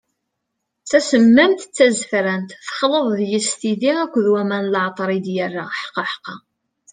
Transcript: D tasemmamt, d tazefrant, texleḍ deg-s tidi akked waman n leɛṭer i d-yerra, ḥqaḥqa!